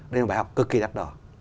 đây là một bài học cực kỳ đắt đỏ